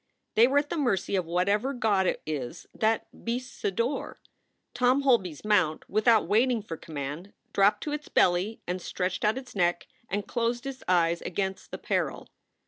They were at the mercy of whatever god it is that beasts adore. Tom Holby s mount, without waiting for command, dropped to its belly and stretched out its neck and closed its eyes against the peril.